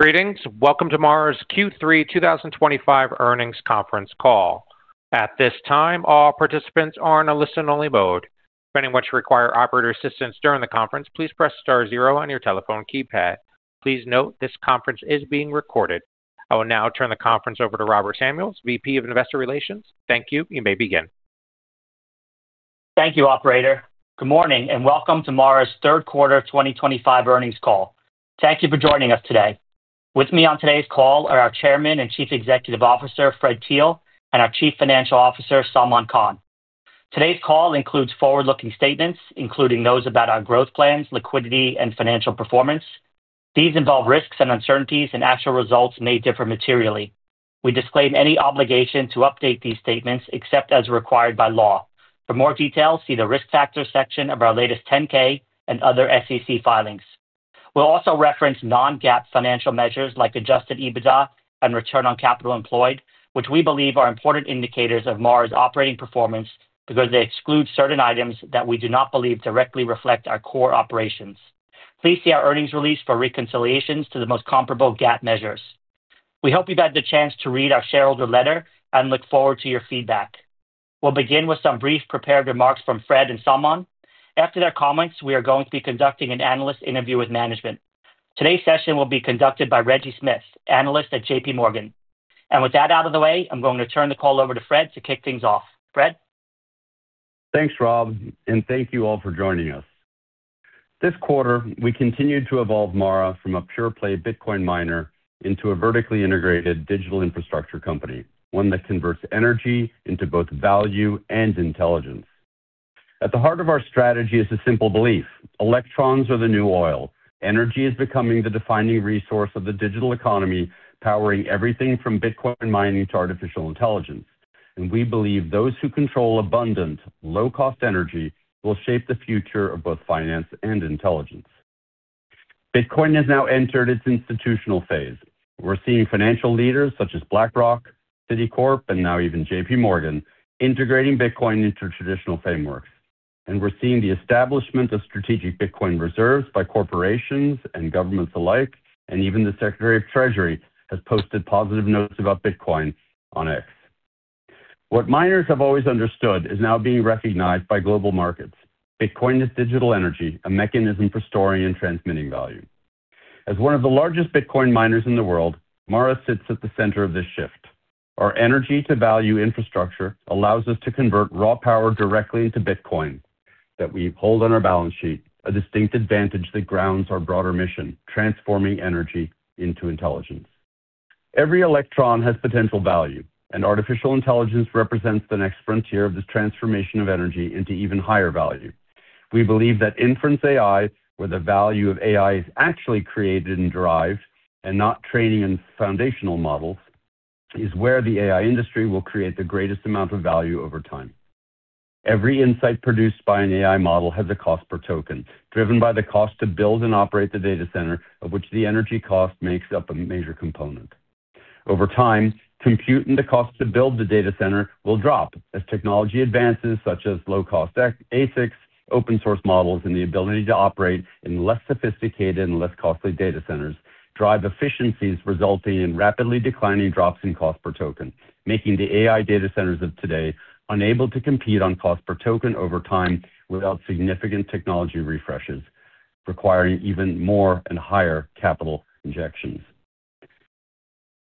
Greetings. Welcome to MARA's Q3 2025 earnings conference call. At this time, all participants are in a listen-only mode. Depending on what you require, operator assistance during the conference, please press star zero on your telephone keypad. Please note this conference is being recorded. I will now turn the conference over to Robert Samuels, VP of Investor Relations. Thank you. You may begin. Thank you, Operator. Good morning and welcome to MARA's third quarter 2025 earnings call. Thank you for joining us today. With me on today's call are our Chairman and Chief Executive Officer, Fred Thiel, and our Chief Financial Officer, Salman Khan. Today's call includes forward-looking statements, including those about our growth plans, liquidity, and financial performance. These involve risks and uncertainties, and actual results may differ materially. We disclaim any obligation to update these statements except as required by law. For more details, see the risk factor section of our latest 10-K and other SEC filings. We'll also reference non-GAAP financial measures like Adjusted EBITDA and return on capital employed, which we believe are important indicators of MARA's operating performance because they exclude certain items that we do not believe directly reflect our core operations. Please see our earnings release for reconciliations to the most comparable GAAP measures. We hope you've had the chance to read our shareholder letter and look forward to your feedback. We'll begin with some brief prepared remarks from Fred and Salman. After their comments, we are going to be conducting an analyst interview with management. Today's session will be conducted by Reggie Smith, Analyst at JPMorgan. And with that out of the way, I'm going to turn the call over to Fred to kick things off. Fred. Thanks, Rob, and thank you all for joining us. This quarter, we continue to evolve MARA from a pure-play Bitcoin miner into a vertically integrated digital infrastructure company, one that converts energy into both value and intelligence. At the heart of our strategy is a simple belief: electrons are the new oil. Energy is becoming the defining resource of the digital economy, powering everything from Bitcoin mining to artificial intelligence. And we believe those who control abundant, low-cost energy will shape the future of both finance and intelligence. Bitcoin has now entered its institutional phase. We're seeing financial leaders such as BlackRock, Citicorp, and now even JPMorgan integrating Bitcoin into traditional frameworks. And we're seeing the establishment of strategic Bitcoin reserves by corporations and governments alike. And even the Secretary of the Treasury has posted positive notes about Bitcoin on X. What miners have always understood is now being recognized by global markets: Bitcoin is digital energy, a mechanism for storing and transmitting value. As one of the largest Bitcoin miners in the world, MARA sits at the center of this shift. Our energy-to-value infrastructure allows us to convert raw power directly into Bitcoin that we hold on our balance sheet, a distinct advantage that grounds our broader mission: transforming energy into intelligence. Every electron has potential value, and artificial intelligence represents the next frontier of this transformation of energy into even higher value. We believe that inference AI, where the value of AI is actually created and derived, and not training and foundational models, is where the AI industry will create the greatest amount of value over time. Every insight produced by an AI model has a cost per token, driven by the cost to build and operate the data center, of which the energy cost makes up a major component. Over time, compute and the cost to build the data center will drop as technology advances, such as low-cost ASICs, open-source models, and the ability to operate in less sophisticated and less costly data centers drive efficiencies, resulting in rapidly declining drops in cost per token, making the AI data centers of today unable to compete on cost per token over time without significant technology refreshes, requiring even more and higher capital injections.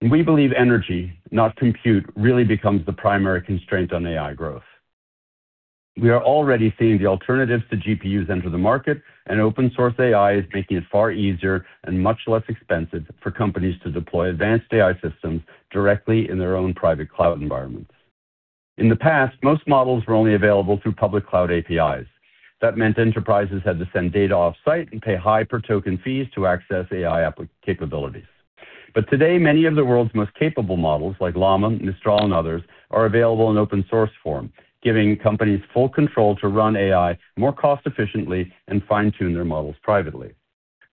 We believe energy, not compute, really becomes the primary constraint on AI growth. We are already seeing the alternatives to GPUs enter the market, and open-source AI is making it far easier and much less expensive for companies to deploy advanced AI systems directly in their own private cloud environments. In the past, most models were only available through public cloud APIs. That meant enterprises had to send data off-site and pay high per-token fees to access AI capabilities. But today, many of the world's most capable models, like Llama, Mistral, and others, are available in open-source form, giving companies full control to run AI more cost-efficiently and fine-tune their models privately.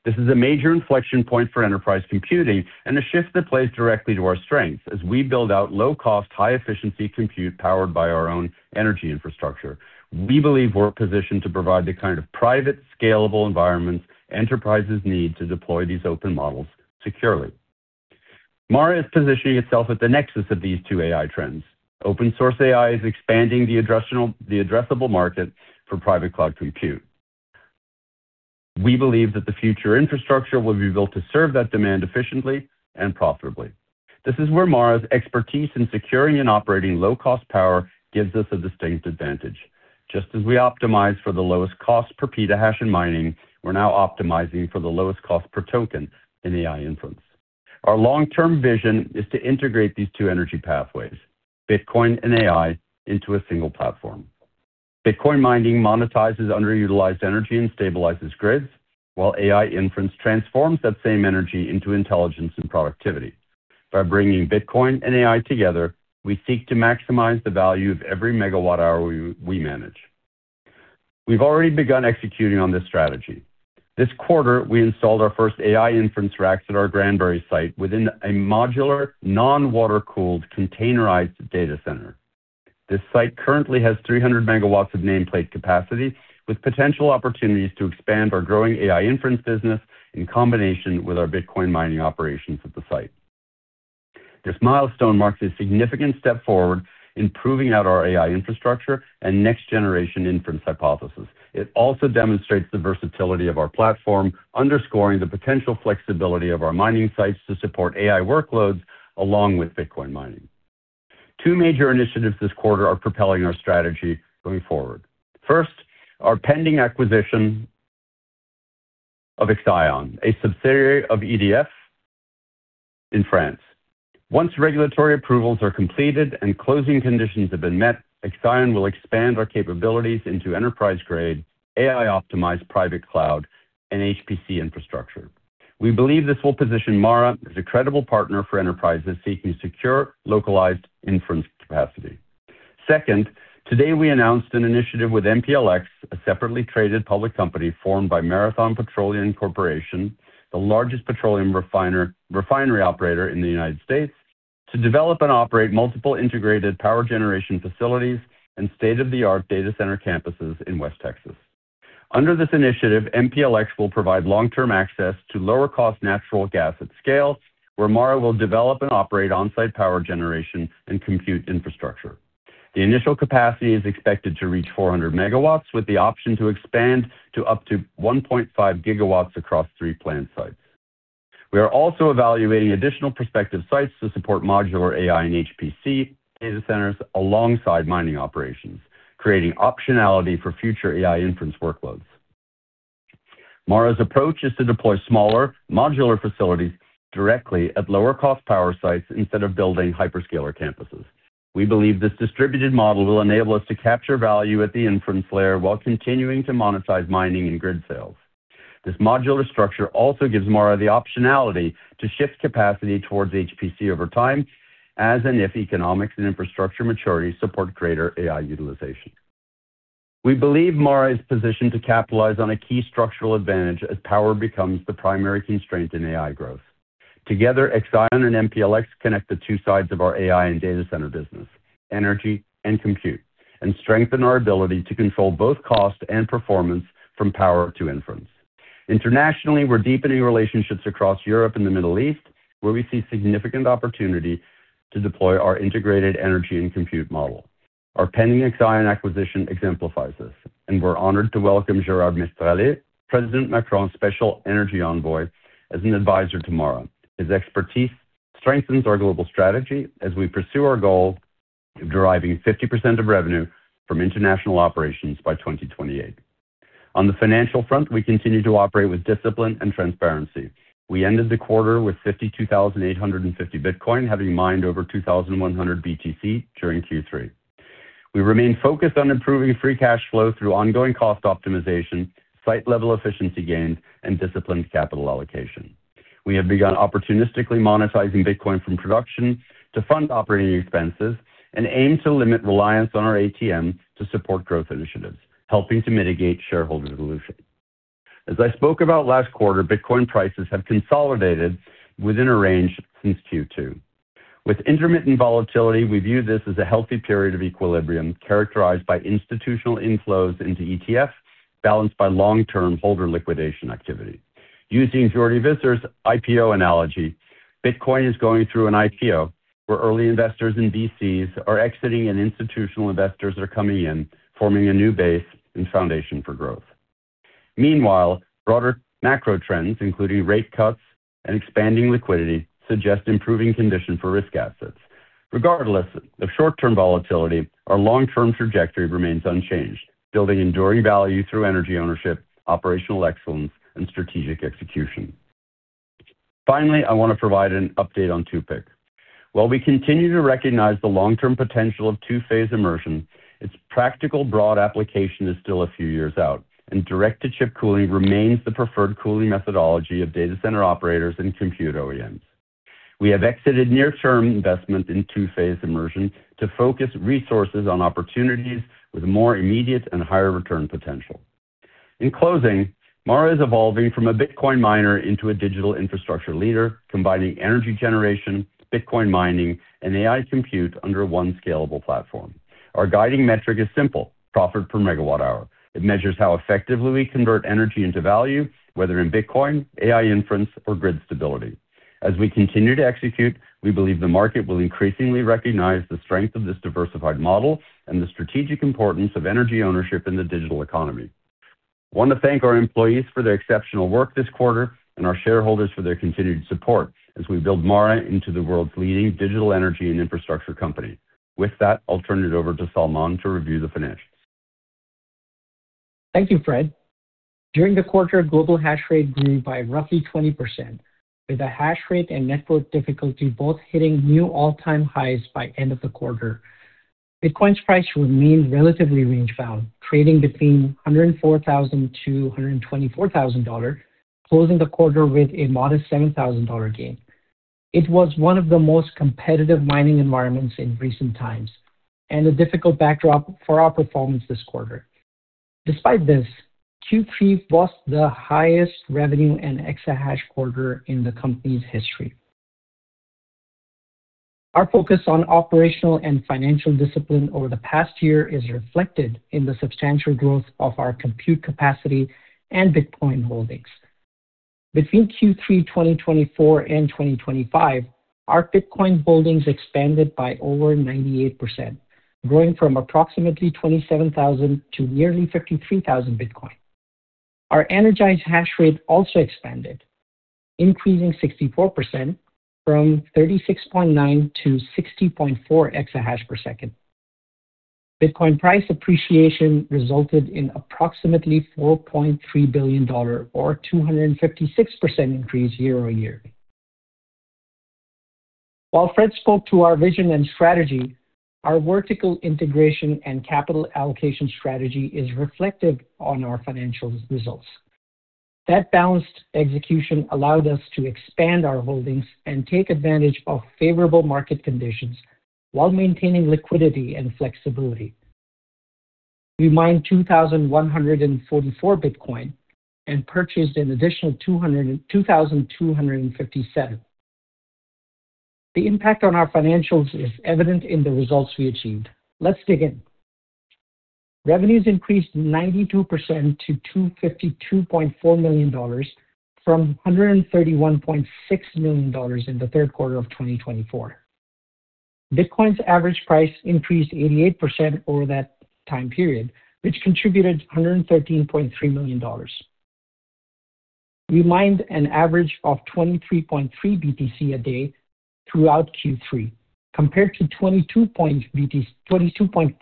This is a major inflection point for enterprise computing and a shift that plays directly to our strengths as we build out low-cost, high-efficiency compute powered by our own energy infrastructure. We believe we're positioned to provide the kind of private, scalable environments enterprises need to deploy these open models securely. MARA is positioning itself at the nexus of these two AI trends. Open-source AI is expanding the addressable market for private cloud compute. We believe that the future infrastructure will be built to serve that demand efficiently and profitably. This is where MARA's expertise in securing and operating low-cost power gives us a distinct advantage. Just as we optimize for the lowest cost per petahash and mining, we're now optimizing for the lowest cost per token in AI inference. Our long-term vision is to integrate these two energy pathways, Bitcoin and AI, into a single platform. Bitcoin mining monetizes underutilized energy and stabilizes grids, while AI inference transforms that same energy into intelligence and productivity. By bringing Bitcoin and AI together, we seek to maximize the value of every megawatt hour we manage. We've already begun executing on this strategy. This quarter, we installed our first AI inference racks at our Granbury site within a modular, non-water-cooled, containerized data center. This site currently has 300 MW of nameplate capacity, with potential opportunities to expand our growing AI inference business in combination with our Bitcoin mining operations at the site. This milestone marks a significant step forward in proving out our AI infrastructure and next-generation inference hypothesis. It also demonstrates the versatility of our platform, underscoring the potential flexibility of our mining sites to support AI workloads along with Bitcoin mining. Two major initiatives this quarter are propelling our strategy going forward. First, our pending acquisition of Exaion, a subsidiary of EDF, in France. Once regulatory approvals are completed and closing conditions have been met, Exaion will expand our capabilities into enterprise-grade, AI-optimized private cloud and HPC infrastructure. We believe this will position MARA as a credible partner for enterprises seeking secure, localized inference capacity. Second, today we announced an initiative with MPLX, a separately traded public company formed by Marathon Petroleum Corporation, the largest petroleum refinery operator in the United States, to develop and operate multiple integrated power generation facilities and state-of-the-art data center campuses in West Texas. Under this initiative, MPLX will provide long-term access to lower-cost natural gas at scale, where MARA will develop and operate on-site power generation and compute infrastructure. The initial capacity is expected to reach 400 MW, with the option to expand to up to 1.5 GW across three plant sites. We are also evaluating additional prospective sites to support modular AI and HPC data centers alongside mining operations, creating optionality for future AI inference workloads. MARA's approach is to deploy smaller, modular facilities directly at lower-cost power sites instead of building hyperscaler campuses. We believe this distributed model will enable us to capture value at the inference layer while continuing to monetize mining and grid sales. This modular structure also gives MARA the optionality to shift capacity towards HPC over time, as and if economics and infrastructure maturity support greater AI utilization. We believe MARA is positioned to capitalize on a key structural advantage as power becomes the primary constraint in AI growth. Together, Exaion and MPLX connect the two sides of our AI and data center business, energy and compute, and strengthen our ability to control both cost and performance from power to inference. Internationally, we're deepening relationships across Europe and the Middle East, where we see significant opportunity to deploy our integrated energy and compute model. Our pending Exaion acquisition exemplifies this, and we're honored to welcome Gérard Mestrallet, President Macron's special energy envoy, as an advisor to MARA. His expertise strengthens our global strategy as we pursue our goal of deriving 50% of revenue from international operations by 2028. On the financial front, we continue to operate with discipline and transparency. We ended the quarter with 52,850 Bitcoin, having mined over 2,100 BTC during Q3. We remain focused on improving free cash flow through ongoing cost optimization, site-level efficiency gains, and disciplined capital allocation. We have begun opportunistically monetizing Bitcoin from production to fund operating expenses and aim to limit reliance on our ATM to support growth initiatives, helping to mitigate shareholder dilution. As I spoke about last quarter, Bitcoin prices have consolidated within a range since Q2. With intermittent volatility, we view this as a healthy period of equilibrium characterized by institutional inflows into ETFs balanced by long-term holder liquidation activity. Using Jordi Visser's IPO analogy, Bitcoin is going through an IPO, where early investors in VCs are exiting and institutional investors are coming in, forming a new base and foundation for growth. Meanwhile, broader macro trends, including rate cuts and expanding liquidity, suggest improving conditions for risk assets. Regardless of short-term volatility, our long-term trajectory remains unchanged, building enduring value through energy ownership, operational excellence, and strategic execution. Finally, I want to provide an update on 2PIC. While we continue to recognize the long-term potential of two-phase immersion, its practical broad application is still a few years out, and direct-to-chip cooling remains the preferred cooling methodology of data center operators and compute OEMs. We have exited near-term investment in two-phase immersion to focus resources on opportunities with more immediate and higher return potential. In closing, MARA is evolving from a Bitcoin miner into a digital infrastructure leader, combining energy generation, Bitcoin mining, and AI compute under one scalable platform. Our guiding metric is simple: profit per megawatt hour. It measures how effectively we convert energy into value, whether in Bitcoin, AI inference, or grid stability. As we continue to execute, we believe the market will increasingly recognize the strength of this diversified model and the strategic importance of energy ownership in the digital economy. I want to thank our employees for their exceptional work this quarter and our shareholders for their continued support as we build MARA into the world's leading digital energy and infrastructure company. With that, I'll turn it over to Salman to review the financials. Thank you, Fred. During the quarter, global hash rate grew by roughly 20%, with the hash rate and network difficulty both hitting new all-time highs by the end of the quarter. Bitcoin's price remained relatively range-bound, trading between $104,000-$124,000, closing the quarter with a modest $7,000 gain. It was one of the most competitive mining environments in recent times and a difficult backdrop for our performance this quarter. Despite this, Q3 was the highest revenue and exit hash quarter in the company's history. Our focus on operational and financial discipline over the past year is reflected in the substantial growth of our compute capacity and Bitcoin holdings. Between Q3 2024 and 2025, our Bitcoin holdings expanded by over 98%, growing from approximately 27,000 to nearly 53,000 Bitcoin. Our energized hash rate also expanded, increasing 64% from 36.9 to 60.4 exahash per second. Bitcoin price appreciation resulted in approximately $4.3 billion, or a 256% increase year-over-year. While Fred spoke to our vision and strategy, our vertical integration and capital allocation strategy is reflective of our financial results. That balanced execution allowed us to expand our holdings and take advantage of favorable market conditions while maintaining liquidity and flexibility. We mined 2,144 Bitcoin and purchased an additional 2,257. The impact on our financials is evident in the results we achieved. Let's dig in. Revenues increased 92% to $252.4 million, from $131.6 million in the third quarter of 2024. Bitcoin's average price increased 88% over that time period, which contributed $113.3 million. We mined an average of 23.3 BTC a day throughout Q3, compared to 22.5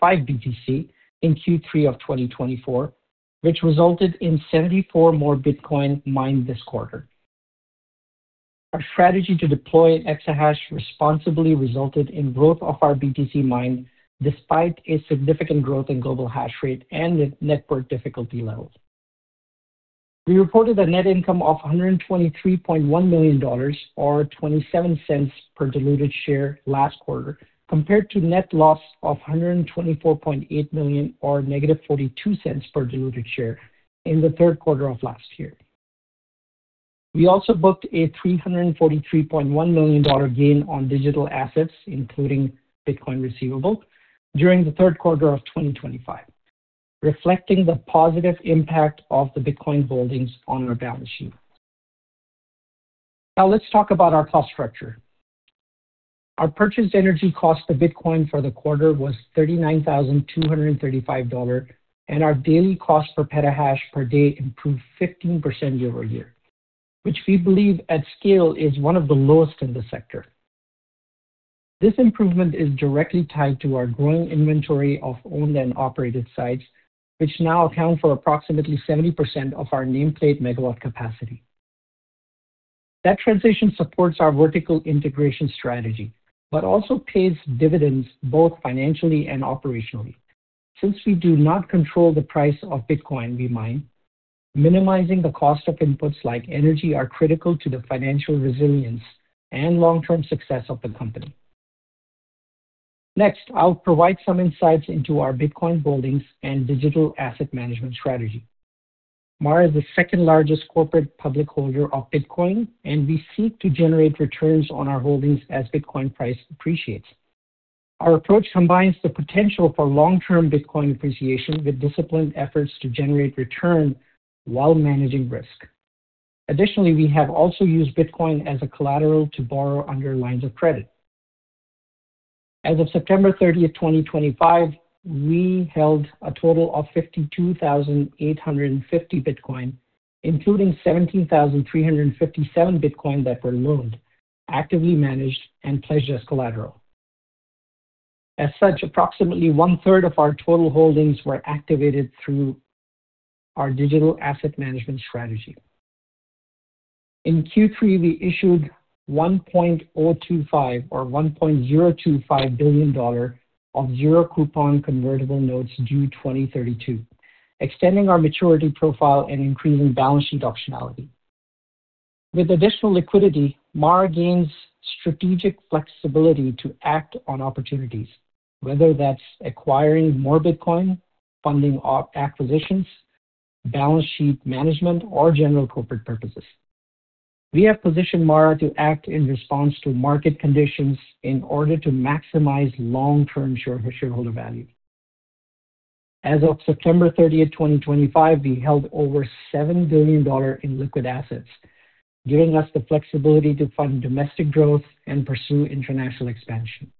BTC in Q3 of 2024, which resulted in 74 more Bitcoin mined this quarter. Our strategy to deploy exahash responsibly resulted in growth of our BTC mine despite a significant growth in global hash rate and network difficulty levels. We reported a net income of $123.1 million, or $0.27 per diluted share, last quarter, compared to net loss of $124.8 million, or $0.42 per diluted share, in the third quarter of last year. We also booked a $343.1 million gain on digital assets, including Bitcoin receivable, during the third quarter of 2025, reflecting the positive impact of the Bitcoin holdings on our balance sheet. Now, let's talk about our cost structure. Our purchased energy cost to Bitcoin for the quarter was $39,235, and our daily cost per petahash per day improved 15% year-over-year, which we believe at scale is one of the lowest in the sector. This improvement is directly tied to our growing inventory of owned and operated sites, which now account for approximately 70% of our nameplate megawatt capacity. That transition supports our vertical integration strategy but also pays dividends both financially and operationally. Since we do not control the price of Bitcoin we mine, minimizing the cost of inputs like energy is critical to the financial resilience and long-term success of the company. Next, I'll provide some insights into our Bitcoin holdings and digital asset management strategy. MARA is the second-largest corporate public holder of Bitcoin, and we seek to generate returns on our holdings as Bitcoin price appreciates. Our approach combines the potential for long-term Bitcoin appreciation with disciplined efforts to generate return while managing risk. Additionally, we have also used Bitcoin as a collateral to borrow under lines of credit. As of September 30, 2025, we held a total of 52,850 Bitcoin, including 17,357 Bitcoin that were loaned, actively managed, and pledged as collateral. As such, approximately one-third of our total holdings were activated through our digital asset management strategy. In Q3, we issued $1.025 billion of zero-coupon convertible notes due 2032, extending our maturity profile and increasing balance sheet optionality. With additional liquidity, MARA gains strategic flexibility to act on opportunities, whether that's acquiring more Bitcoin, funding acquisitions, balance sheet management, or general corporate purposes. We have positioned MARA to act in response to market conditions in order to maximize long-term shareholder value. As of September 30, 2025, we held over $7 billion in liquid assets, giving us the flexibility to fund domestic growth and pursue international expansion.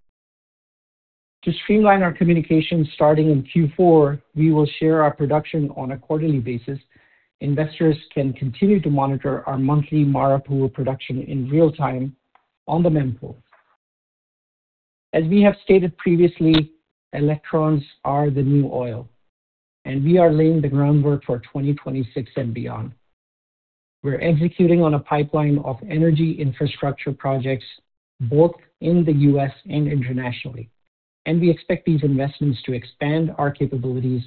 To streamline our communications, starting in Q4, we will share our production on a quarterly basis. Investors can continue to monitor our monthly MARA Pool production in real time on the mempool. As we have stated previously, electrons are the new oil, and we are laying the groundwork for 2026 and beyond. We're executing on a pipeline of energy infrastructure projects both in the U.S. and internationally, and we expect these investments to expand our capabilities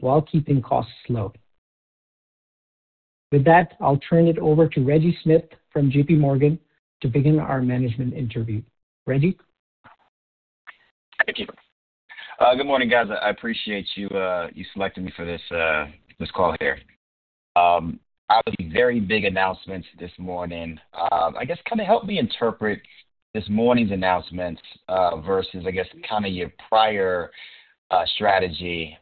while keeping costs low. With that, I'll turn it over to Reggie Smith from JPMorgan to begin our management interview. Reggie. Thank you. Good morning, guys. I appreciate you selecting me for this call here. I have a very big announcement this morning. I guess kind of help me interpret this morning's announcement versus, I guess, kind of your prior strategy.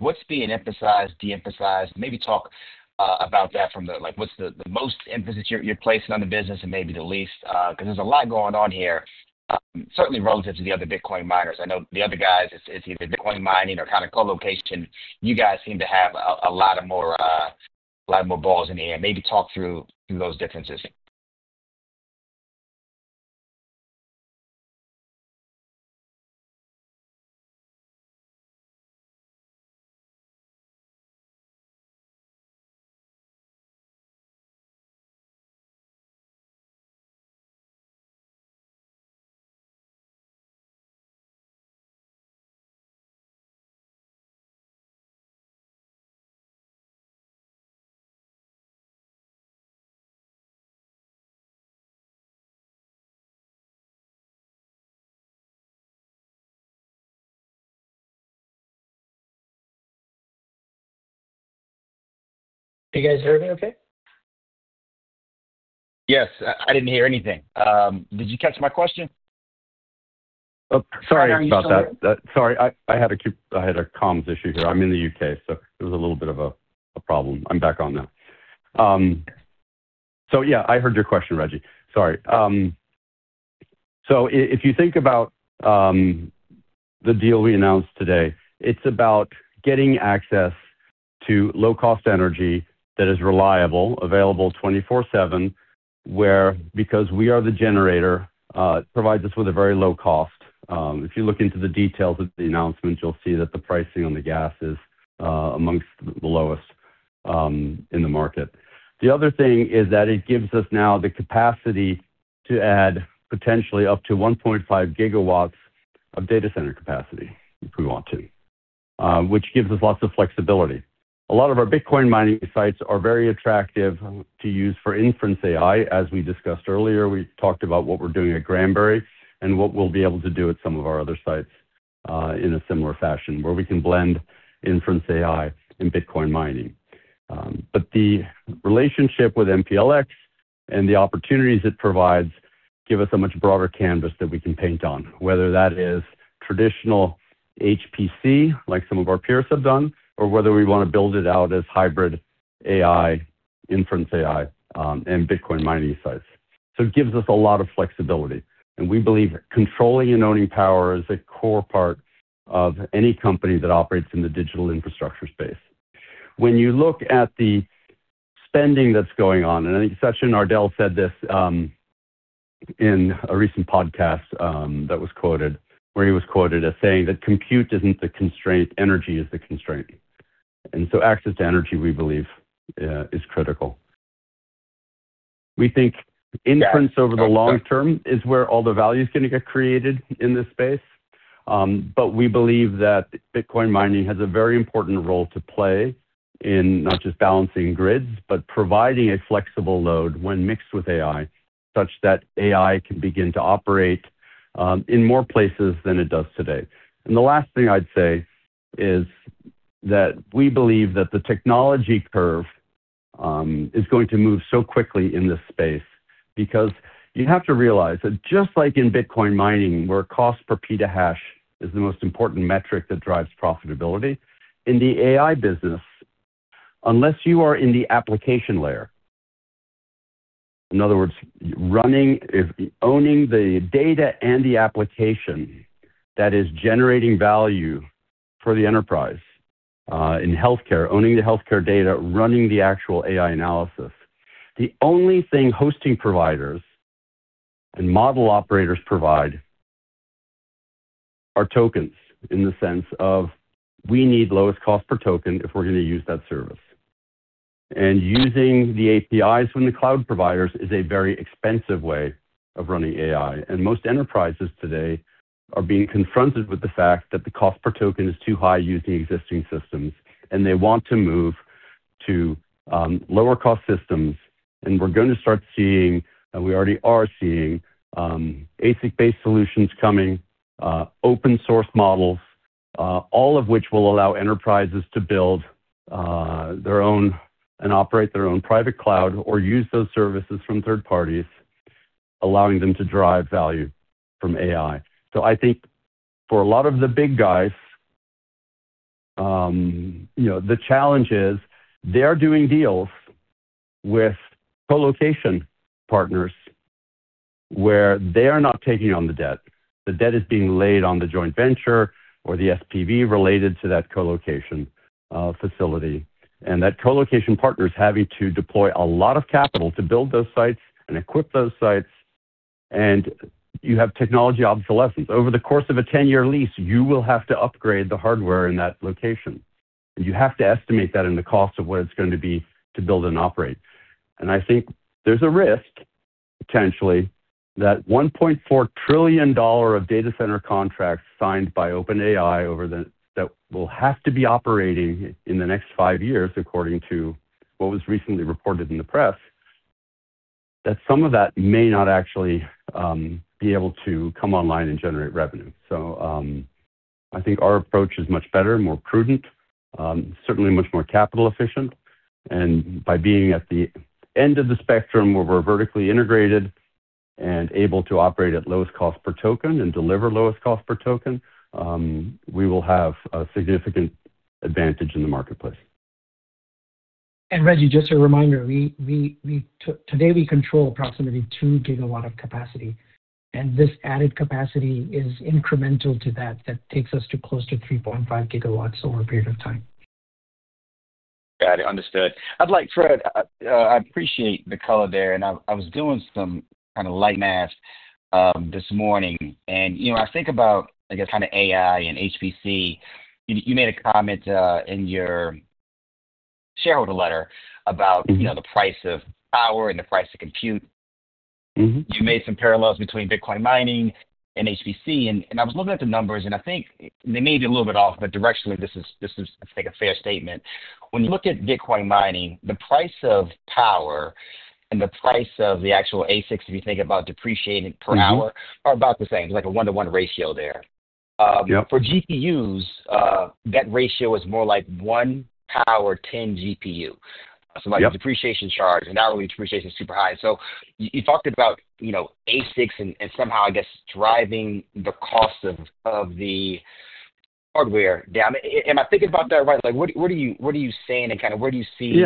What's being emphasized, de-emphasized? Maybe talk about that from the—what's the most emphasis you're placing on the business and maybe the least? Because there's a lot going on here, certainly relative to the other Bitcoin miners. I know the other guys, it's either Bitcoin mining or kind of colocation. You guys seem to have a lot more balls in the air. Maybe talk through those differences. Hey, guys. Is everybody okay? Yes. I didn't hear anything. Did you catch my question? Sorry about that. Sorry. I had a comms issue here. I'm in the U.K., so it was a little bit of a problem. I'm back on now. So yeah, I heard your question, Reggie. Sorry. So if you think about the deal we announced today, it's about getting access to low-cost energy that is reliable, available 24/7. Where, because we are the generator, it provides us with a very low cost. If you look into the details of the announcement, you'll see that the pricing on the gas is among the lowest in the market. The other thing is that it gives us now the capacity to add potentially up to 1.5 GW of data center capacity if we want to. Which gives us lots of flexibility. A lot of our Bitcoin mining sites are very attractive to use for inference AI, as we discussed earlier. We talked about what we're doing at Granbury and what we'll be able to do at some of our other sites in a similar fashion, where we can blend inference AI and Bitcoin mining. But the relationship with MPLX and the opportunities it provides give us a much broader canvas that we can paint on, whether that is traditional HPC, like some of our peers have done, or whether we want to build it out as hybrid AI, inference AI, and Bitcoin mining sites. So it gives us a lot of flexibility. And we believe controlling and owning power is a core part of any company that operates in the digital infrastructure space. When you look at the spending that's going on, and I think Satya Nadella said this in a recent podcast that was quoted, where he was quoted as saying that compute isn't the constraint. Energy is the constraint. And so access to energy, we believe, is critical. We think inference over the long term is where all the value is going to get created in this space. But we believe that Bitcoin mining has a very important role to play in not just balancing grids, but providing a flexible load when mixed with AI, such that AI can begin to operate in more places than it does today. And the last thing I'd say is that we believe that the technology curve is going to move so quickly in this space because you have to realize that just like in Bitcoin mining, where cost per petahash is the most important metric that drives profitability, in the AI business unless you are in the application layer. In other words, owning the data and the application that is generating value for the enterprise. In healthcare, owning the healthcare data, running the actual AI analysis. The only thing hosting providers and model operators provide are tokens in the sense of we need lowest cost per token if we're going to use that service. And using the APIs from the cloud providers is a very expensive way of running AI. And most enterprises today are being confronted with the fact that the cost per token is too high using existing systems, and they want to move to lower-cost systems. And we're going to start seeing, and we already are seeing, ASIC-based solutions coming, open-source models, all of which will allow enterprises to build their own and operate their own private cloud or use those services from third parties, allowing them to drive value from AI. So I think for a lot of the big guys, the challenge is they're doing deals with colocation partners where they are not taking on the debt. The debt is being laid on the joint venture or the SPV related to that colocation facility. And that colocation partner is having to deploy a lot of capital to build those sites and equip those sites. And you have technology obsolescence over the course of a 10-year lease, you will have to upgrade the hardware in that location. And you have to estimate that in the cost of what it's going to be to build and operate. And I think there's a risk, potentially, that $1.4 trillion of data center contracts signed by OpenAI that will have to be operating in the next five years, according to what was recently reported in the press, that some of that may not actually be able to come online and generate revenue. So, I think our approach is much better, more prudent, certainly much more capital efficient. And by being at the end of the spectrum where we're vertically integrated and able to operate at lowest cost per token and deliver lowest cost per token, we will have a significant advantage in the marketplace. Reggie, just a reminder. Today, we control approximately two GW of capacity. This added capacity is incremental to that. That takes us to close to 3.5 GW over a period of time. Got it. Understood. I'd like, Fred, I appreciate the color there. And I was doing some kind of light math this morning. And I think about, I guess, kind of AI and HPC. You made a comment in your shareholder letter about the price of power and the price of compute. You made some parallels between Bitcoin mining and HPC. And I was looking at the numbers, and I think they may be a little bit off, but directionally this is, I think, a fair statement. When you look at Bitcoin mining, the price of power and the price of the actual ASICs, if you think about depreciating per hour, are about the same. There's like a one-to-one ratio there. For GPUs, that ratio is more like one power 10 GPU. So like depreciation charge, and not only depreciation is super high. So you talked about ASICs and somehow, I guess, driving the cost of the hardware. Am I thinking about that right? What are you saying and kind of where do you see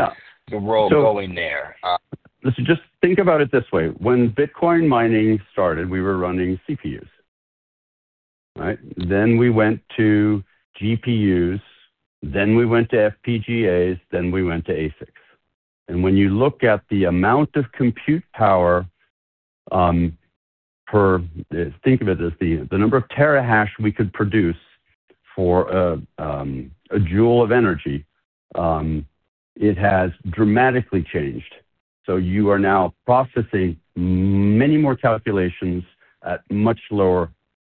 the role going there? Listen, just think about it this way. When Bitcoin mining started, we were running CPUs. Right? Then we went to GPUs. Then we went to FPGAs. Then we went to ASICs. And when you look at the amount of compute power, think of it as the number of terahash we could produce for a joule of energy. It has dramatically changed. So you are now processing many more calculations at much lower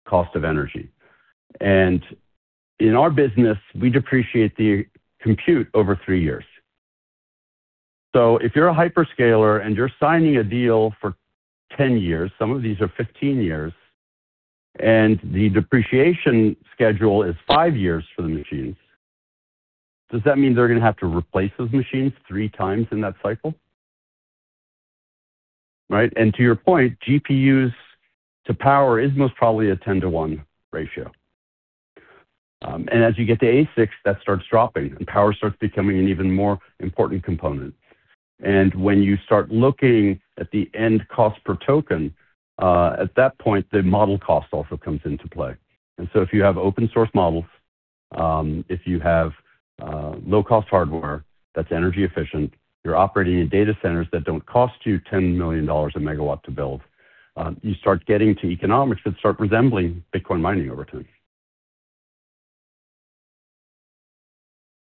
cost of energy. And in our business, we depreciate the compute over three years. So if you're a hyperscaler and you're signing a deal for 10 years, some of these are 15 years, and the depreciation schedule is five years for the machines. Does that mean they're going to have to replace those machines three times in that cycle? Right? And to your point, GPUs to power is most probably a 10:1 ratio. And as you get to ASICs, that starts dropping, and power starts becoming an even more important component. And when you start looking at the end cost per token, at that point, the model cost also comes into play. And so if you have open-source models, if you have low-cost hardware that's energy efficient, you're operating in data centers that don't cost you $10 million a megawatt to build, you start getting to economics that start resembling Bitcoin mining over time.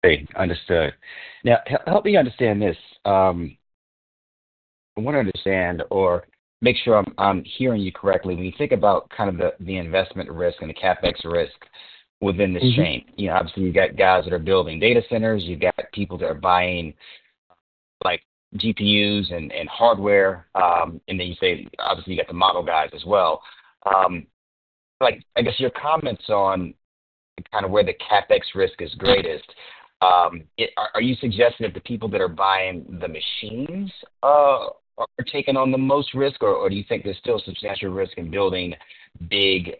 Okay. Understood. Now, help me understand this. I want to understand or make sure I'm hearing you correctly. When you think about kind of the investment risk and the CapEx risk within the chain, obviously, you've got guys that are building data centers. You've got people that are buying GPUs and hardware. And then you say, obviously, you've got the model guys as well. I guess your comments on kind of where the CapEx risk is greatest. Are you suggesting that the people that are buying the machines are taking on the most risk, or do you think there's still substantial risk in building big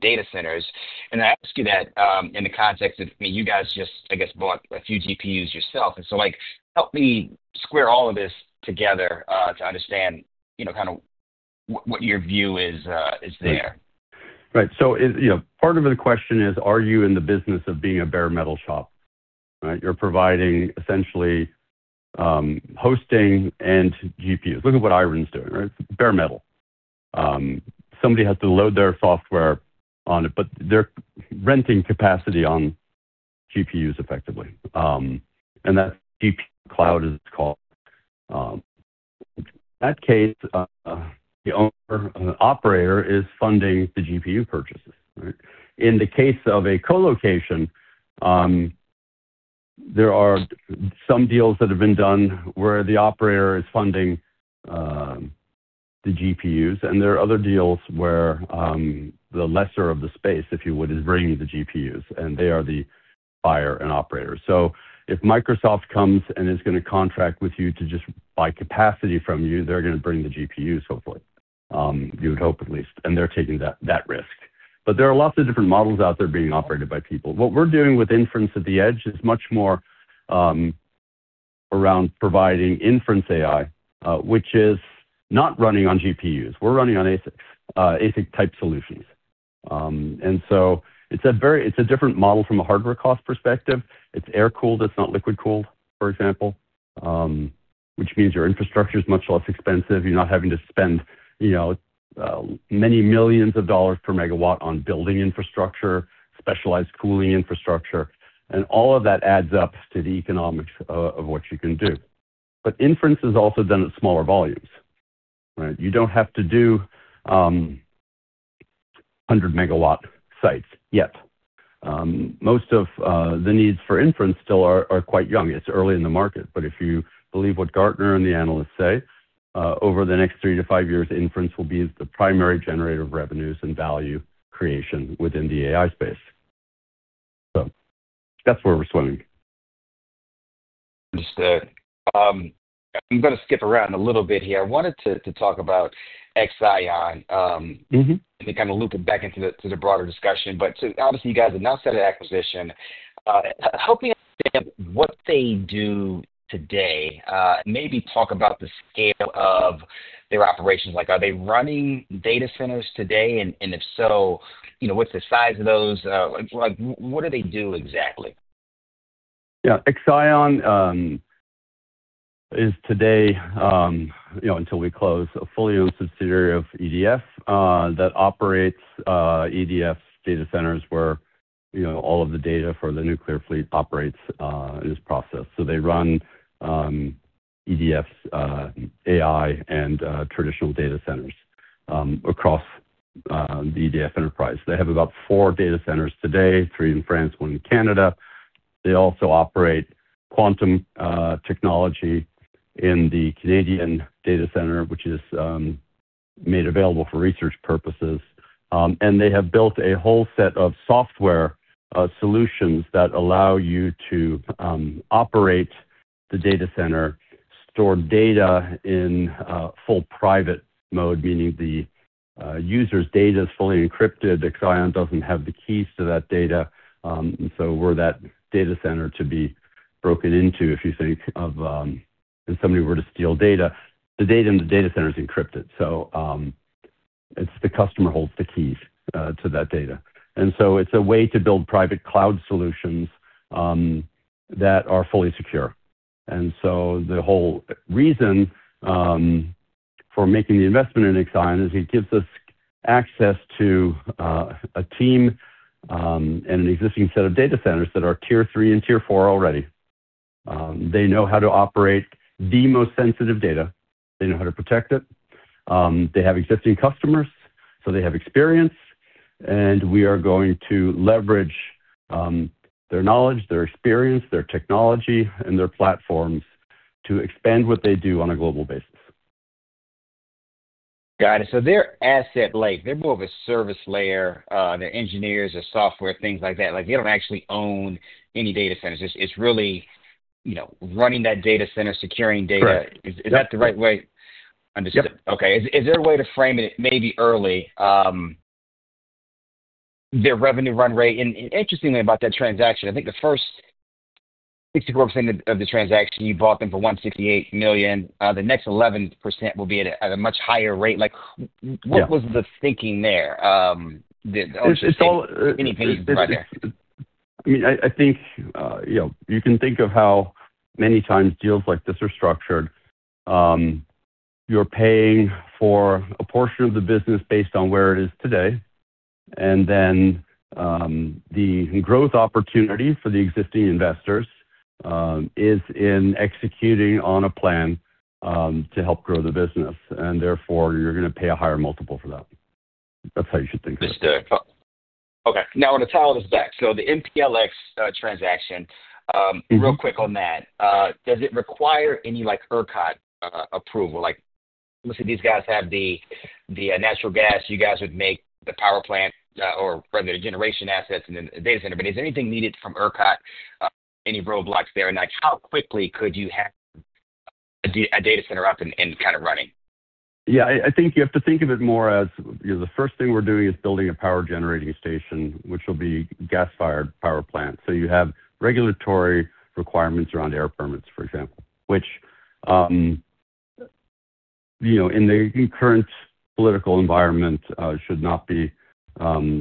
data centers? And I ask you that in the context of, I mean, you guys just, I guess, bought a few GPUs yourself. And so help me square all of this together to understand kind of what your view is there. Right. So part of the question is, are you in the business of being a bare metal shop? Right? You're providing essentially hosting and GPUs. Look at what Iron's doing, right? Bare metal. Somebody has to load their software on it, but they're renting capacity on GPUs effectively. And that's what GPU cloud is called. In that case. The operator is funding the GPU purchases, right? In the case of a colocation. There are some deals that have been done where the operator is funding the GPUs. And there are other deals where the lessee of the space, if you would, is bringing the GPUs, and they are the buyer and operator. So if Microsoft comes and is going to contract with you to just buy capacity from you, they're going to bring the GPUs, hopefully. You would hope at least. And they're taking that risk. But there are lots of different models out there being operated by people. What we're doing with inference at the edge is much more around providing inference AI, which is not running on GPUs. We're running on ASICs, ASIC-type solutions. And so it's a different model from a hardware cost perspective. It's air-cooled. It's not liquid-cooled, for example. Which means your infrastructure is much less expensive. You're not having to spend many millions of dollars per megawatt on building infrastructure, specialized cooling infrastructure. And all of that adds up to the economics of what you can do. But inference is also done at smaller volumes, right? You don't have to do 100 MW sites yet. Most of the needs for inference still are quite young. It's early in the market. But if you believe what Gartner and the analysts say, over the next three to five years, inference will be the primary generator of revenues and value creation within the AI space. So that's where we're swimming. Understood. I'm going to skip around a little bit here. I wanted to talk about Exaion. And kind of loop it back into the broader discussion. But obviously, you guys announced that acquisition. Help me understand what they do today. Maybe talk about the scale of their operations. Are they running data centers today? And if so, what's the size of those? What do they do exactly? Yeah. Exaion is today, until we close, a fully owned subsidiary of EDF that operates EDF data centers where all of the data for the nuclear fleet operates in this process. So they run EDF's AI and traditional data centers across the EDF enterprise. They have about four data centers today, three in France, one in Canada. They also operate quantum technology in the Canadian data center, which is made available for research purposes, and they have built a whole set of software solutions that allow you to operate the data center, store data in full private mode, meaning the user's data is fully encrypted. Exaion doesn't have the keys to that data. And so, were that data center to be broken into, if you think of somebody were to steal data, the data in the data center is encrypted, so it's the customer who holds the keys to that data, and so it's a way to build private cloud solutions that are fully secure. And so the whole reason for making the investment in Exaion is it gives us access to a team and an existing set of data centers that are tier three and tier four already. They know how to operate the most sensitive data. They know how to protect it. They have existing customers, so they have experience, and we are going to leverage their knowledge, their experience, their technology, and their platforms to expand what they do on a global basis. Got it. So they're asset-laden. They're more of a service layer. They're engineers, their software, things like that. They don't actually own any data centers. It's really running that data center, securing data. Is that the right way? Understood. Okay. Is there a way to frame it? Maybe early. Their revenue run rate. And interestingly about that transaction, I think the first 64% of the transaction, you bought them for $168 million. The next 11% will be at a much higher rate. What was the thinking there? Any opinions you can provide there. I mean, I think you can think of how many times deals like this are structured. You're paying for a portion of the business based on where it is today. And then the growth opportunity for the existing investors is in executing on a plan to help grow the business. And therefore, you're going to pay a higher multiple for that. That's how you should think of it. Understood. Okay. Now, I want to tie all this back. So the MPLX transaction, real quick on that. Does it require any ERCOT approval? Let's say these guys have the natural gas. You guys would make the power plant or the generation assets and then the data center. But is anything needed from ERCOT? Any roadblocks there? And how quickly could you have a data center up and kind of running? Yeah. I think you have to think of it more as the first thing we're doing is building a power generating station, which will be a gas-fired power plant. So you have regulatory requirements around air permits, for example, which in the current political environment should not be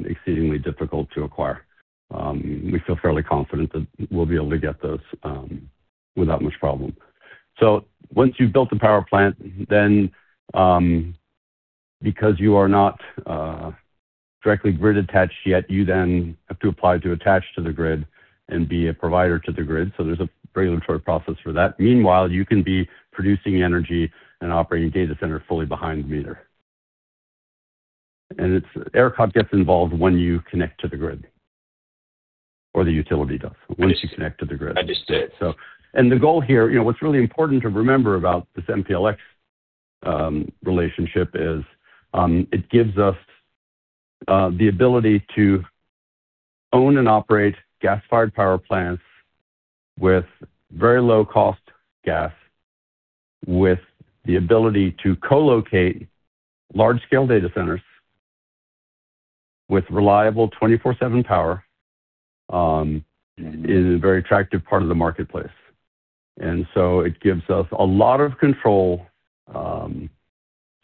exceedingly difficult to acquire. We feel fairly confident that we'll be able to get those without much problem. So once you've built the power plant, then because you are not directly grid-attached yet, you then have to apply to attach to the grid and be a provider to the grid. So there's a regulatory process for that. Meanwhile, you can be producing energy and operating a data center fully behind the meter, and ERCOT gets involved when you connect to the grid or the utility does once you connect to the grid. Understood. So, and the goal here, what's really important to remember about this MPLX relationship is it gives us the ability to own and operate gas-fired power plants with very low-cost gas, with the ability to colocate large-scale data centers with reliable 24/7 power in a very attractive part of the marketplace. And so it gives us a lot of control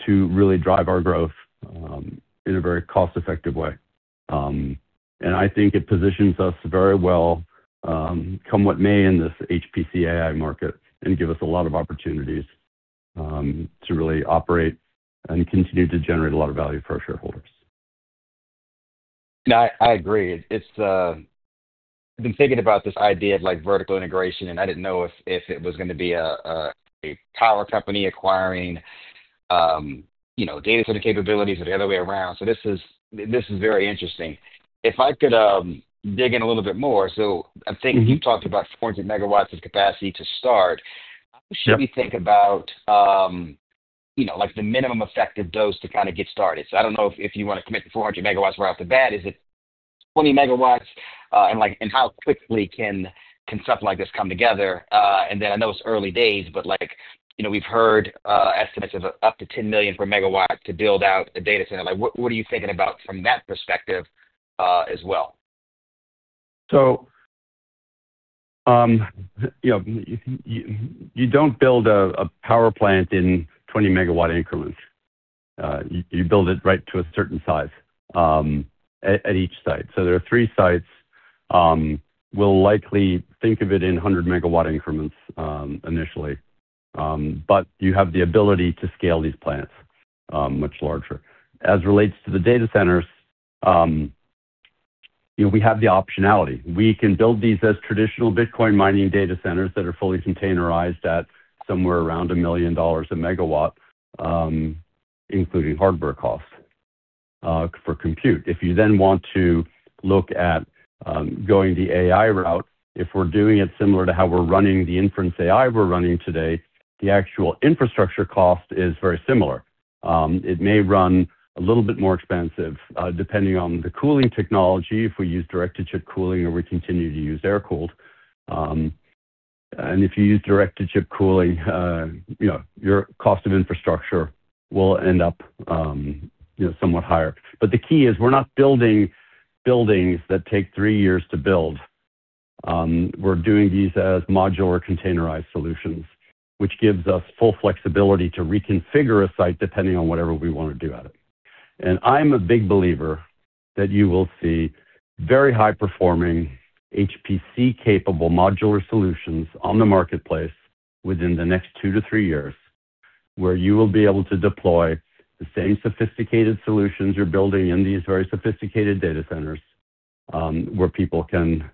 to really drive our growth in a very cost-effective way. And I think it positions us very well, come what may in this HPC AI market and give us a lot of opportunities to really operate and continue to generate a lot of value for our shareholders. And I agree. I've been thinking about this idea of vertical integration, and I didn't know if it was going to be a power company acquiring data center capabilities or the other way around. So this is very interesting. If I could dig in a little bit more, so I think you've talked about 400 MW of capacity to start. How should we think about the minimum effective dose to kind of get started? So I don't know if you want to commit to 400 MW right off the bat. Is it 20 MW? And how quickly can something like this come together? And then I know it's early days, but we've heard estimates of up to $10 million per megawatt to build out a data center. What are you thinking about from that perspective as well? So, you don't build a power plant in 20 MW increments. You build it right to a certain size at each site. So there are three sites. We'll likely think of it in 100 MW increments initially. But you have the ability to scale these plants much larger. As it relates to the data centers, we have the optionality. We can build these as traditional Bitcoin mining data centers that are fully containerized at somewhere around $1 million a megawatt, including hardware cost for compute. If you then want to look at going the AI route, if we're doing it similar to how we're running the inference AI we're running today, the actual infrastructure cost is very similar. It may run a little bit more expensive depending on the cooling technology, if we use direct-to-chip cooling or we continue to use air-cooled. And if you use direct-to-chip cooling, your cost of infrastructure will end up somewhat higher. But the key is we're not building buildings that take three years to build. We're doing these as modular or containerized solutions, which gives us full flexibility to reconfigure a site depending on whatever we want to do at it. And I'm a big believer that you will see very high-performing HPC-capable modular solutions on the marketplace within the next two to three years, where you will be able to deploy the same sophisticated solutions you're building in these very sophisticated data centers where people can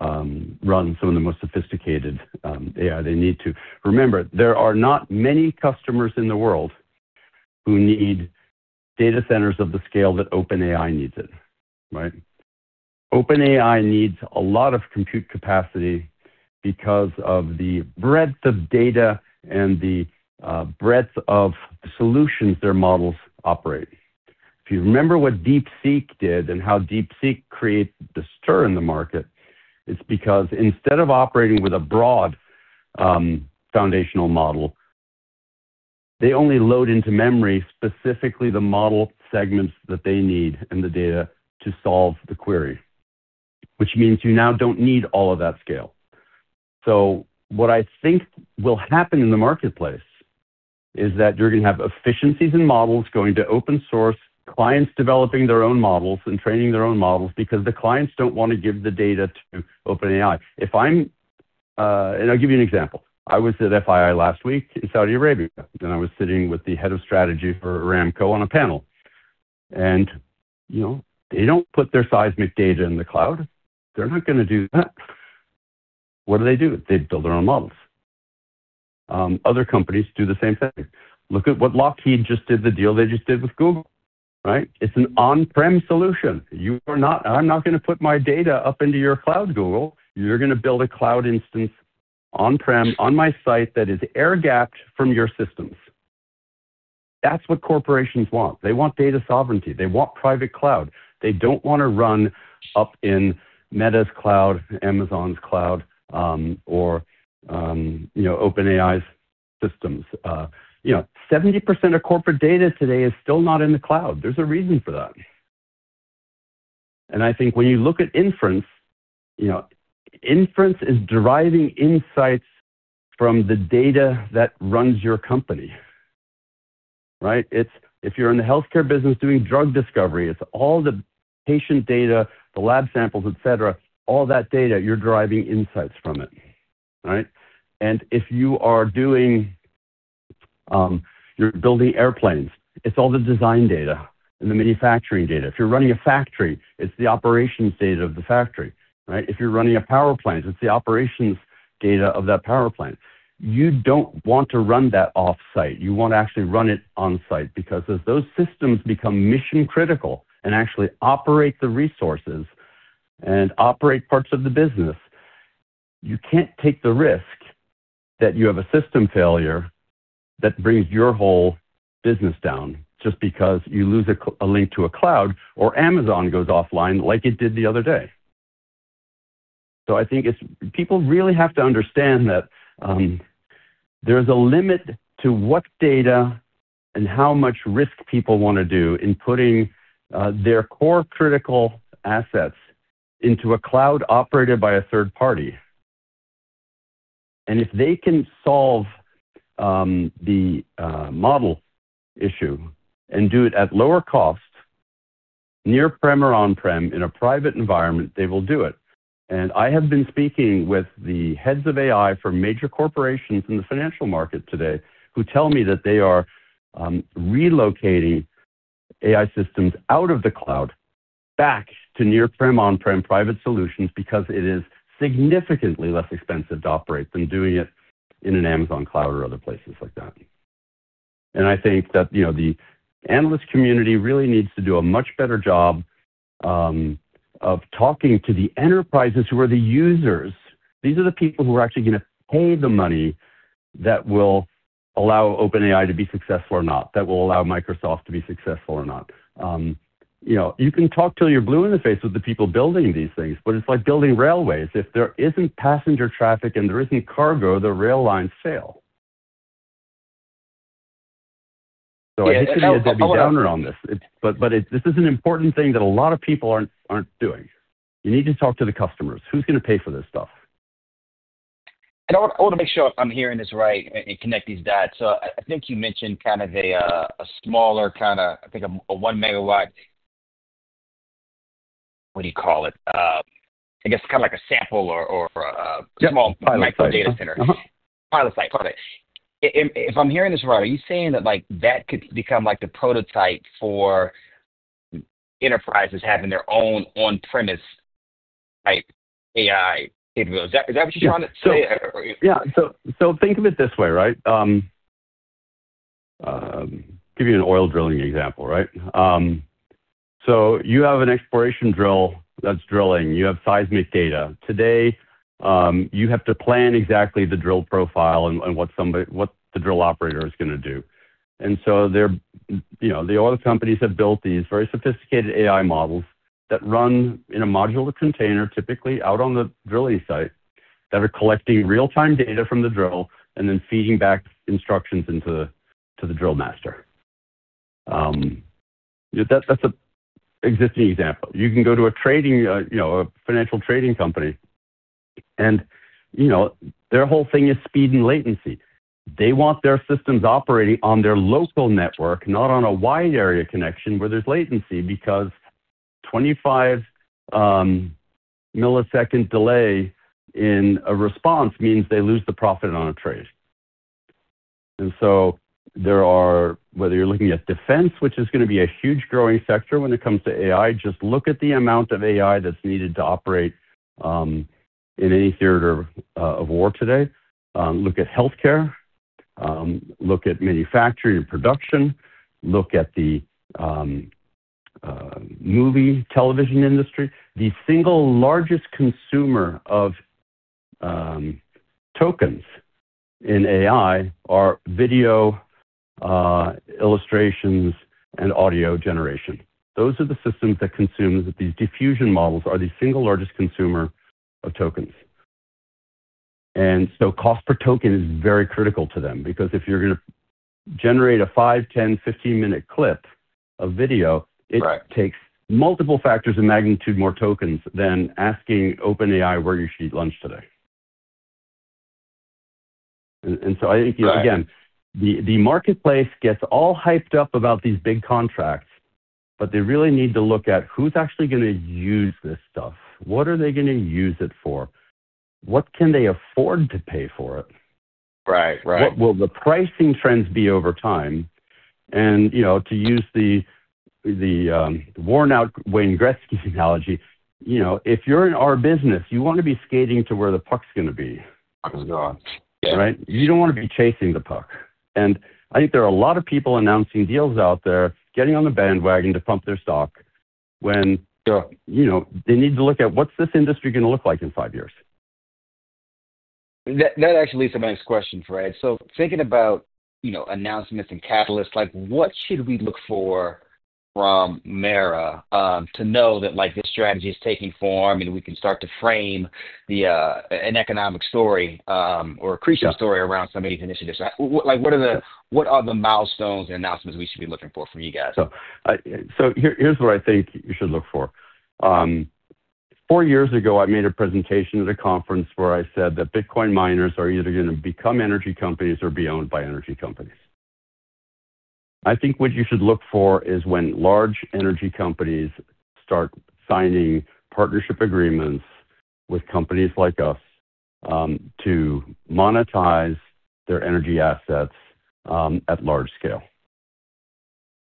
run some of the most sophisticated AI they need to. Remember, there are not many customers in the world who need data centers of the scale that OpenAI needs it, right? OpenAI needs a lot of compute capacity because of the breadth of data and the breadth of solutions their models operate. If you remember what DeepSeek did and how DeepSeek created the stir in the market, it's because instead of operating with a broad foundational model, they only load into memory specifically the model segments that they need and the data to solve the query, which means you now don't need all of that scale. So what I think will happen in the marketplace is that you're going to have efficiencies in models going to open source, clients developing their own models and training their own models because the clients don't want to give the data to OpenAI. And I'll give you an example. I was at FII last week in Saudi Arabia, and I was sitting with the head of strategy for Aramco on a panel. And they don't put their seismic data in the cloud. They're not going to do that. What do they do? They build their own models. Other companies do the same thing. Look at what Lockheed just did, the deal they just did with Google, right? It's an on-prem solution. I'm not going to put my data up into your cloud, Google. You're going to build a cloud instance on-prem on my site that is air-gapped from your systems. That's what corporations want. They want data sovereignty. They want private cloud. They don't want to run up in Meta's cloud, Amazon's cloud, or OpenAI's systems. 70% of corporate data today is still not in the cloud. There's a reason for that. And I think when you look at inference. Inference is deriving insights from the data that runs your company. Right? If you're in the healthcare business doing drug discovery, it's all the patient data, the lab samples, etc., all that data, you're deriving insights from it, right? And if you are doing. You're building airplanes, it's all the design data and the manufacturing data. If you're running a factory, it's the operations data of the factory, right? If you're running a power plant, it's the operations data of that power plant. You don't want to run that off-site. You want to actually run it on-site because as those systems become mission-critical and actually operate the resources and operate parts of the business. You can't take the risk that you have a system failure that brings your whole business down just because you lose a link to a cloud or Amazon goes offline like it did the other day. So I think people really have to understand that. There's a limit to what data and how much risk people want to do in putting their core critical assets into a cloud operated by a third party. And if they can solve the model issue and do it at lower cost near-prem or on-prem in a private environment, they will do it. And I have been speaking with the heads of AI for major corporations in the financial market today who tell me that they are relocating AI systems out of the cloud back to near-prem, on-prem private solutions because it is significantly less expensive to operate than doing it in an Amazon cloud or other places like that. And I think that the analyst community really needs to do a much better job of talking to the enterprises who are the users. These are the people who are actually going to pay the money that will allow OpenAI to be successful or not, that will allow Microsoft to be successful or not. You can talk till you're blue in the face with the people building these things, but it's like building railways. If there isn't passenger traffic and there isn't cargo, the rail lines fail. So I hate to be a downer on this, but this is an important thing that a lot of people aren't doing. You need to talk to the customers. Who's going to pay for this stuff? I want to make sure I'm hearing this right and connect these dots. I think you mentioned kind of a smaller kind of, I think, a one MW. What do you call it? I guess kind of like a sample or a small micro data center. Pilot site. If I'm hearing this right, are you saying that that could become the prototype for enterprises having their own on-premise type AI capabilities? Is that what you're trying to say? Yeah. So think of it this way, right? I'll give you an oil drilling example, right? So you have an exploration drill that's drilling. You have seismic data today. You have to plan exactly the drill profile and what the drill operator is going to do. And so the oil companies have built these very sophisticated AI models that run in a modular container, typically out on the drilling site, that are collecting real-time data from the drill and then feeding back instructions into the drill master. That's an existing example. You can go to a financial trading company. And their whole thing is speed and latency. They want their systems operating on their local network, not on a wide area connection where there's latency because 25 ms delay in a response means they lose the profit on a trade. And so whether you're looking at defense, which is going to be a huge growing sector when it comes to AI, just look at the amount of AI that's needed to operate in any theater of war today. Look at healthcare. Look at manufacturing and production. Look at the movie television industry. The single largest consumer of tokens in AI are video illustrations, and audio generation. Those are the systems that consume these diffusion models are the single largest consumer of tokens. And so cost per token is very critical to them because if you're going to generate a five, 10, 15-minute clip of video, it takes multiple factors of magnitude more tokens than asking OpenAI where you should eat lunch today. And so I think, again, the marketplace gets all hyped up about these big contracts, but they really need to look at who's actually going to use this stuff. What are they going to use it for? What can they afford to pay for it? What will the pricing trends be over time? And to use the worn-out Wayne Gretzky analogy, if you're in our business, you want to be skating to where the puck's going to be, right? You don't want to be chasing the puck. And I think there are a lot of people announcing deals out there, getting on the bandwagon to pump their stock when they need to look at what's this industry going to look like in five years. That actually leads to my next question, Fred. So, thinking about announcements and catalysts, what should we look for from MARA to know that this strategy is taking form and we can start to frame an economic story or a creation story around some of these initiatives? What are the milestones and announcements we should be looking for from you guys? So here's what I think you should look for. Four years ago, I made a presentation at a conference where I said that Bitcoin miners are either going to become energy companies or be owned by energy companies. I think what you should look for is when large energy companies start signing partnership agreements with companies like us, to monetize their energy assets at large scale.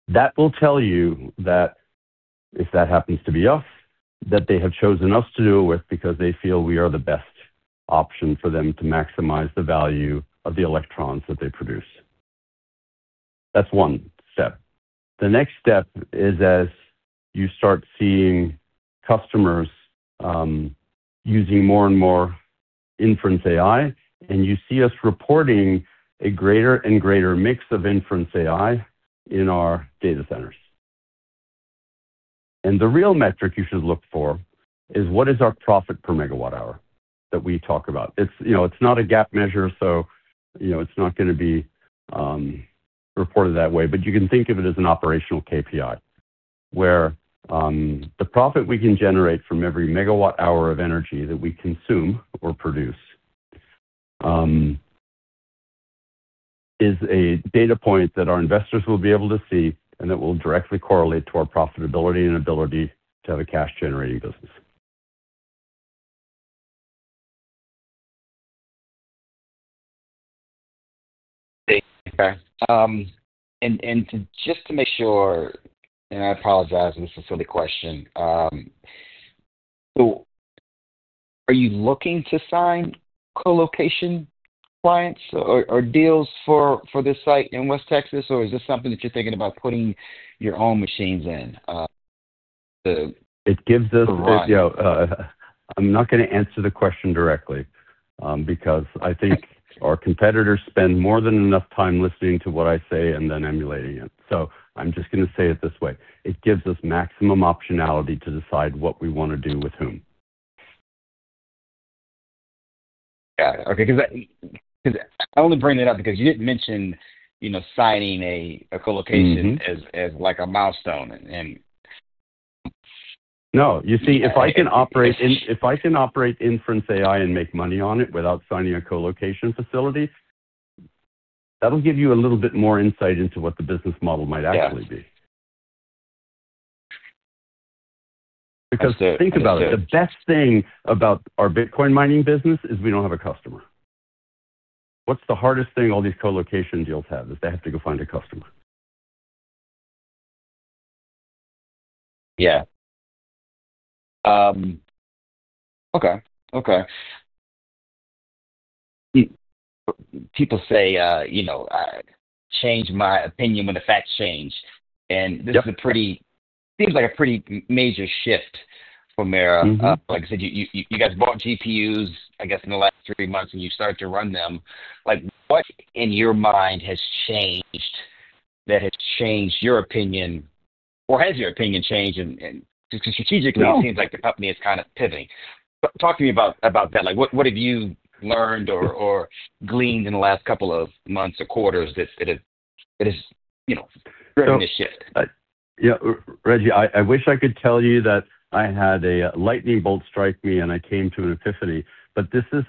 That will tell you that. If that happens to be us, that they have chosen us to do it with because they feel we are the best option for them to maximize the value of the electrons that they produce. That's one step. The next step is as you start seeing customers using more and more inference AI, and you see us reporting a greater and greater mix of inference AI in our data centers, and the real metric you should look for is what is our profit per megawatt hour that we talk about. It's not a GAAP measure, so it's not going to be reported that way, but you can think of it as an operational KPI where the profit we can generate from every megawatt hour of energy that we consume or produce is a data point that our investors will be able to see and that will directly correlate to our profitability and ability to have a cash-generating business. Okay. And just to make sure. And I apologize, this is a silly question. Are you looking to sign colocation clients or deals for this site in West Texas, or is this something that you're thinking about putting your own machines in? It gives us, yeah. I'm not going to answer the question directly because I think our competitors spend more than enough time listening to what I say and then emulating it. So I'm just going to say it this way. It gives us maximum optionality to decide what we want to do with whom. Got it. Okay. Because I only bring that up because you didn't mention signing a colocation as a milestone and. No. You see, if I can operate inference AI and make money on it without signing a colocation facility. That'll give you a little bit more insight into what the business model might actually be. Because think about it. The best thing about our Bitcoin mining business is we don't have a customer. What's the hardest thing all these colocation deals have is they have to go find a customer? Yeah. Okay. Okay. People say, "I change my opinion when the facts change." And this seems like a pretty major shift for MARA. Like I said, you guys bought GPUs, I guess, in the last three months when you started to run them. In your mind, has that changed your opinion or has your opinion changed? Because strategically, it seems like the company is kind of pivoting. Talk to me about that. What have you learned or gleaned in the last couple of months or quarters that has driven this shift? Yeah. Reggie, I wish I could tell you that I had a lightning bolt strike me and I came to an epiphany, but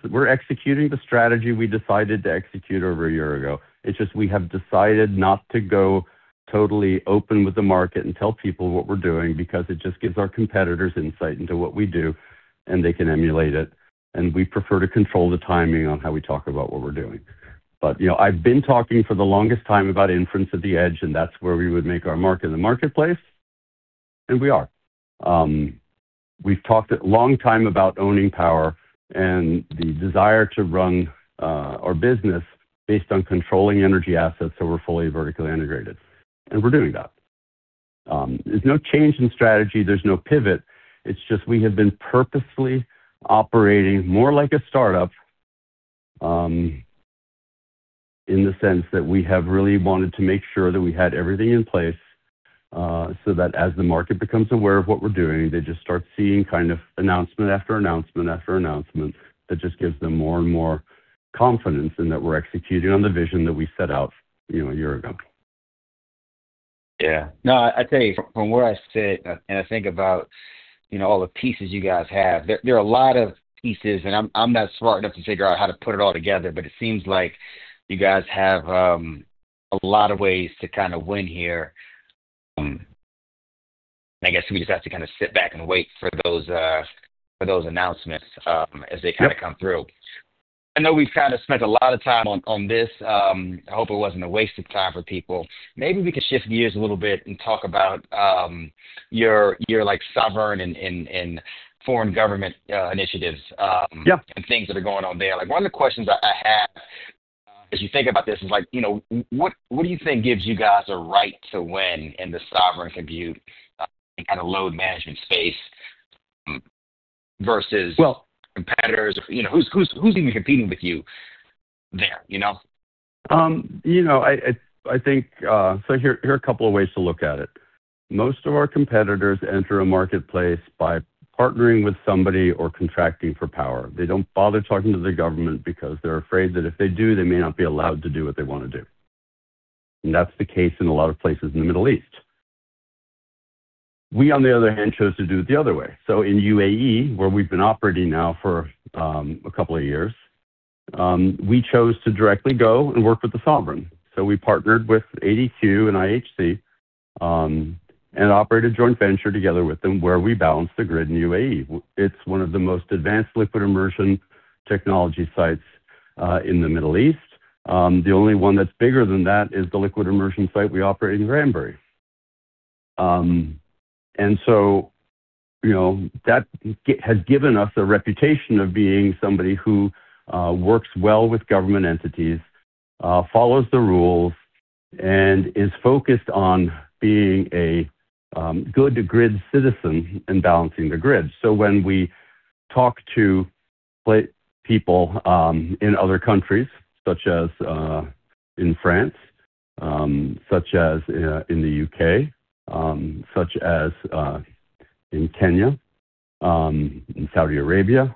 we're executing the strategy we decided to execute over a year ago. It's just we have decided not to go totally open with the market and tell people what we're doing because it just gives our competitors insight into what we do, and they can emulate it. And we prefer to control the timing on how we talk about what we're doing. But I've been talking for the longest time about inference at the edge, and that's where we would make our mark in the marketplace. And we are. We've talked a long time about owning power and the desire to run our business based on controlling energy assets so we're fully vertically integrated. And we're doing that. There's no change in strategy. There's no pivot. It's just we have been purposely operating more like a startup. In the sense that we have really wanted to make sure that we had everything in place. So that as the market becomes aware of what we're doing, they just start seeing kind of announcement after announcement after announcement that just gives them more and more confidence in that we're executing on the vision that we set out a year ago. Yeah. No, I'd say from where I sit and I think about all the pieces you guys have. There are a lot of pieces, and I'm not smart enough to figure out how to put it all together, but it seems like you guys have a lot of ways to kind of win here. I guess we just have to kind of sit back and wait for those announcements as they kind of come through. I know we've kind of spent a lot of time on this. I hope it wasn't a waste of time for people. Maybe we could shift gears a little bit and talk about your sovereign and foreign government initiatives and things that are going on there. One of the questions I have as you think about this is what do you think gives you guys a right to win in the sovereign compute and kind of load management space versus competitors? Who's even competing with you there? I think so. Here are a couple of ways to look at it. Most of our competitors enter a marketplace by partnering with somebody or contracting for power. They don't bother talking to the government because they're afraid that if they do, they may not be allowed to do what they want to do. And that's the case in a lot of places in the Middle East. We, on the other hand, chose to do it the other way. So in UAE, where we've been operating now for a couple of years, we chose to directly go and work with the sovereign. So we partnered with ADQ and IHC and operated joint venture together with them where we balanced the grid in UAE. It's one of the most advanced liquid immersion technology sites in the Middle East. The only one that's bigger than that is the liquid immersion site we operate in Granbury and so that has given us a reputation of being somebody who works well with government entities, follows the rules, and is focused on being a good grid citizen and balancing the grid. So when we talk to people in other countries, such as in France, such as in the U.K., such as in Kenya, in Saudi Arabia,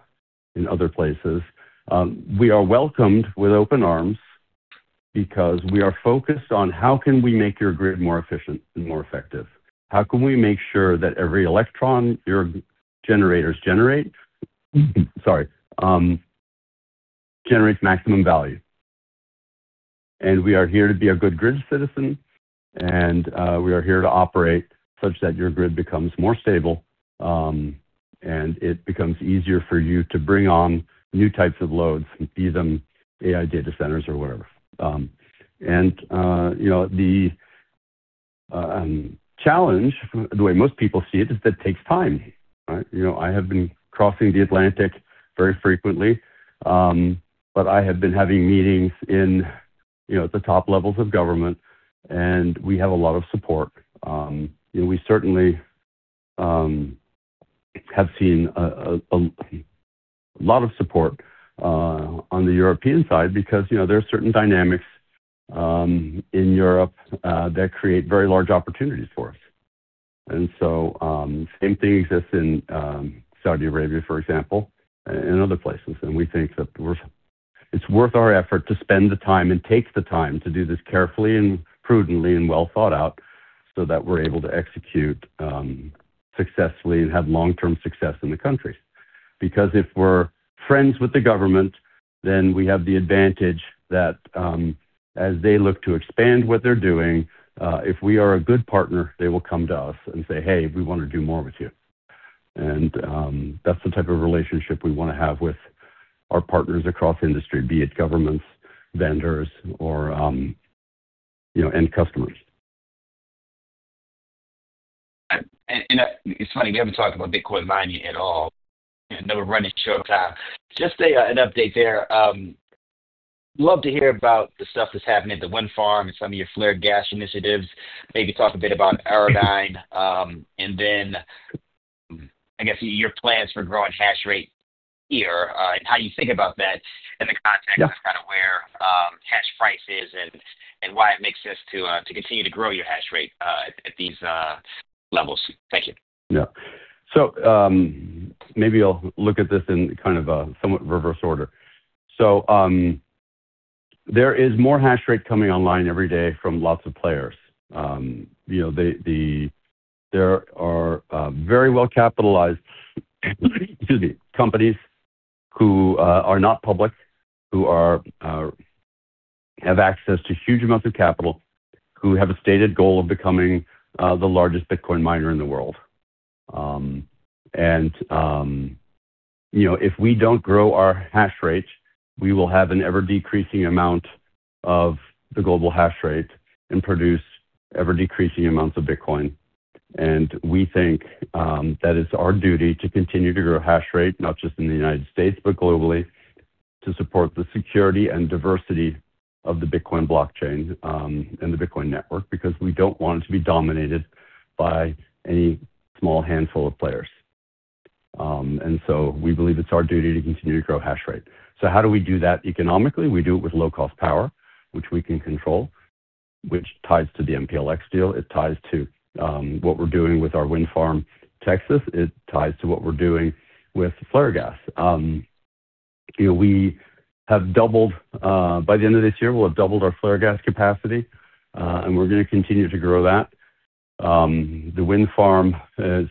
in other places, we are welcomed with open arms because we are focused on how can we make your grid more efficient and more effective. How can we make sure that every electron your generators generate, sorry, generate maximum value? And we are here to be a good grid citizen, and we are here to operate such that your grid becomes more stable. And it becomes easier for you to bring on new types of loads and feed them AI data centers or whatever. And the challenge, the way most people see it, is that it takes time. I have been crossing the Atlantic very frequently. But I have been having meetings in the top levels of government. And we have a lot of support. We certainly have seen a lot of support on the European side because there are certain dynamics in Europe that create very large opportunities for us. And so the same thing exists in Saudi Arabia, for example, and other places. And we think that it's worth our effort to spend the time and take the time to do this carefully and prudently and well thought out so that we're able to execute successfully and have long-term success in the countries. Because if we're friends with the government, then we have the advantage that as they look to expand what they're doing, if we are a good partner, they will come to us and say, "Hey, we want to do more with you." And that's the type of relationship we want to have with our partners across industry, be it governments, vendors, or end customers. And it's funny, we haven't talked about Bitcoin mining at all. I know we're running short on time. Just an update there. Love to hear about the stuff that's happening at the wind farm and some of your flared gas initiatives. Maybe talk a bit about Auradine. And then, I guess, your plans for growing hash rate here and how you think about that in the context of kind of where hash price is and why it makes sense to continue to grow your hash rate at these levels. Thank you. Yeah. So, maybe I'll look at this in kind of a somewhat reverse order. So, there is more hash rate coming online every day from lots of players. There are very well-capitalized companies who are not public, who have access to huge amounts of capital, who have a stated goal of becoming the largest Bitcoin miner in the world, and if we don't grow our hash rate, we will have an ever-decreasing amount of the global hash rate and produce ever-decreasing amounts of Bitcoin. And we think that it's our duty to continue to grow hash rate, not just in the United States, but globally, to support the security and diversity of the Bitcoin blockchain and the Bitcoin network because we don't want it to be dominated by any small handful of players. And so we believe it's our duty to continue to grow hash rate. So how do we do that economically? We do it with low-cost power, which we can control, which ties to the MPLX deal. It ties to what we're doing with our wind farm in Texas. It ties to what we're doing with flare gas. We have doubled by the end of this year. We'll have doubled our flare gas capacity, and we're going to continue to grow that. The wind farm is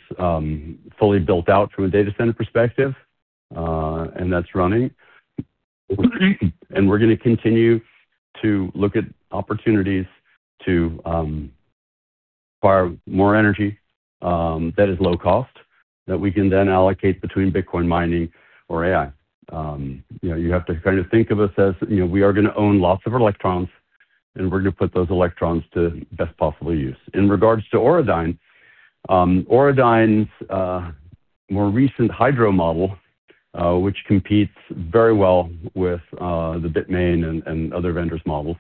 fully built out from a data center perspective, and that's running, and we're going to continue to look at opportunities to acquire more energy that is low-cost that we can then allocate between Bitcoin mining or AI. You have to kind of think of us as we are going to own lots of electrons, and we're going to put those electrons to best possible use. In regards to Auradine, Auradine's more recent hydro model, which competes very well with the Bitmain and other vendors' models,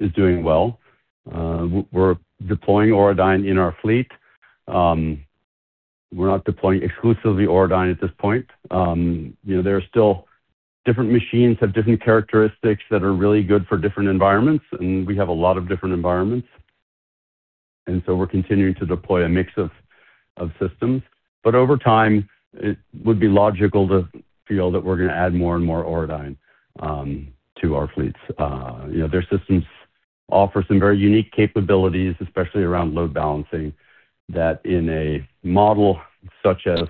is doing well. We're deploying Auradine in our fleet. We're not deploying exclusively Auradine at this point. There are still different machines that have different characteristics that are really good for different environments, and we have a lot of different environments, and so we're continuing to deploy a mix of systems. But over time, it would be logical to feel that we're going to add more and more Auradine to our fleets. Their systems offer some very unique capabilities, especially around load balancing, that in a model such as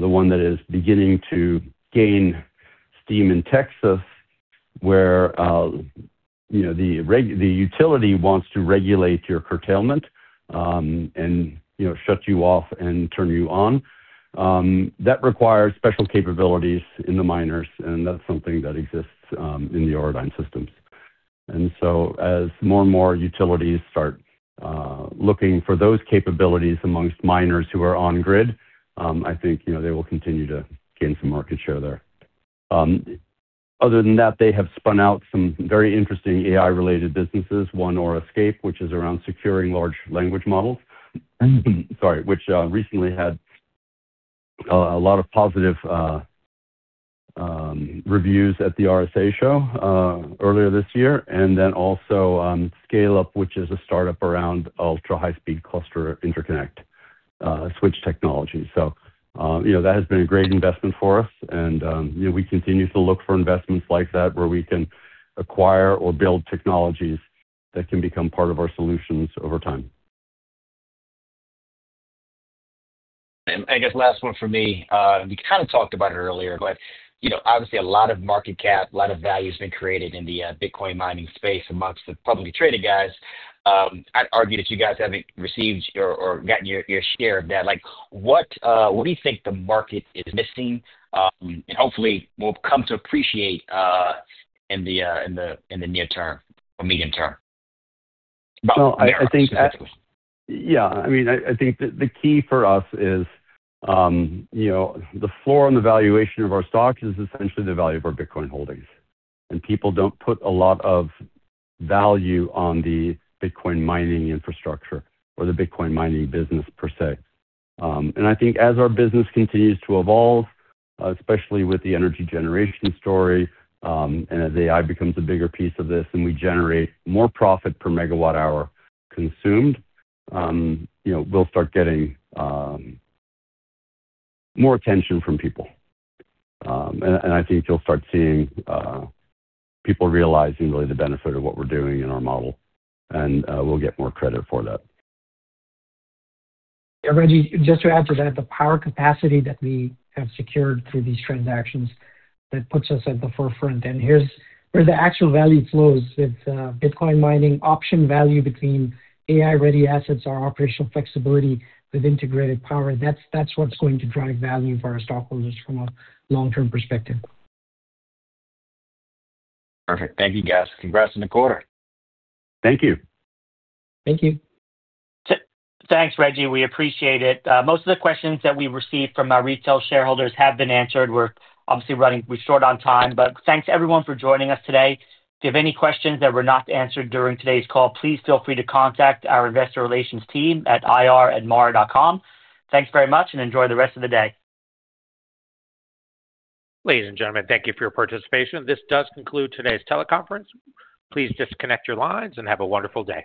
the one that is beginning to gain steam in Texas, where the utility wants to regulate your curtailment and shut you off and turn you on. That requires special capabilities in the miners, and that's something that exists in the Auradine systems, and so as more and more utilities start looking for those capabilities amongst miners who are on-grid, I think they will continue to gain some market share there. Other than that, they have spun out some very interesting AI-related businesses, one or Escape, which is around securing large language models. Sorry, which recently had a lot of positive. Reviews at the RSA show earlier this year, and then also Scale-Up, which is a startup around ultra-high-speed cluster interconnect switch technology. So that has been a great investment for us, and we continue to look for investments like that where we can acquire or build technologies that can become part of our solutions over time. I guess last one for me. We kind of talked about it earlier, but obviously, a lot of market cap, a lot of value has been created in the Bitcoin mining space amongst the publicly traded guys. I'd argue that you guys haven't received or gotten your share of that. What do you think the market is missing and hopefully will come to appreciate in the near term or medium term? I think. About that specifically. Yeah. I mean, I think the key for us is the floor on the valuation of our stock is essentially the value of our Bitcoin holdings. And people don't put a lot of value on the Bitcoin mining infrastructure or the Bitcoin mining business per se. And I think as our business continues to evolve, especially with the energy generation story, and as AI becomes a bigger piece of this and we generate more profit per megawatt hour consumed. We'll start getting more attention from people. And I think you'll start seeing people realizing really the benefit of what we're doing in our model, and we'll get more credit for that. Reggie, just to add to that, the power capacity that we have secured through these transactions. That puts us at the forefront. And here's the actual value flows with Bitcoin mining, option value between AI-ready assets, our operational flexibility with integrated power. That's what's going to drive value for our stockholders from a long-term perspective. Perfect. Thank you, guys. Congrats on the quarter. Thank you. Thank you. Thanks, Reggie. We appreciate it. Most of the questions that we received from our retail shareholders have been answered. We're obviously running short on time, but thanks everyone for joining us today. If you have any questions that were not answered during today's call, please feel free to contact our investor relations team at ir@mara.com. Thanks very much, and enjoy the rest of the day. Ladies and gentlemen, thank you for your participation. This does conclude today's teleconference. Please disconnect your lines and have a wonderful day.